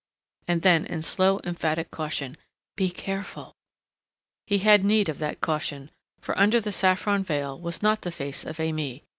and then, in slow emphatic caution, "Be careful!" He had need of that caution. For under the saffron veil was not the face of Aimée.